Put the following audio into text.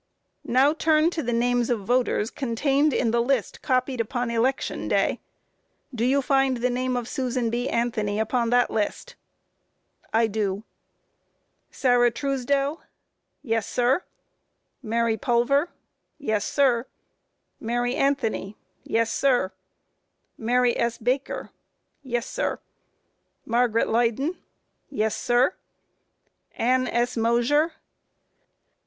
Q. Now turn to the names of voters contained in the list copied upon election day; do you find the name of Susan B. Anthony upon that list? A. I do. Q. Sarah Truesdell? A. Yes, sir. Q. Mary Pulver? A. Yes, sir. Q. Mary Anthony? A. Yes, sir. Q. Mary S. Baker? A. Yes, sir. Q. Margaret Leyden? A. Yes, sir. Q. Ann S. Mosher?